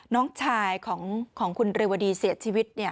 น้องชายของคุณเรวดีเสียชีวิต